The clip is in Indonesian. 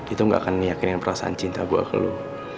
itu gak akan meyakinkan perasaan cinta gue ke lo